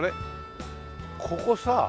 ここさ。